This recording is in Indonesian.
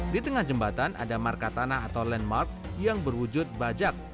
di tengah jembatan ada marka tanah atau landmark yang berwujud bajak